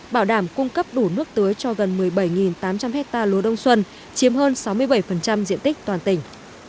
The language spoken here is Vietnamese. bảo đảm cung cấp đủ nước tưới cho gần một mươi bảy tám trăm linh hectare lúa đông xuân chiếm hơn sáu mươi bảy diện tích toàn tỉnh